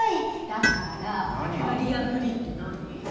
だからバリアフリーってなに？